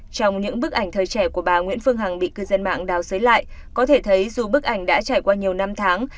trong những bức ảnh thời trẻ của bà nguyễn phương hằng bị cư dân mạng đào xấy lại có thể thấy dù bức ảnh đã trải qua nhiều năm tháng